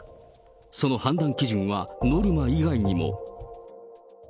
その判断基準はノルマ以外にも。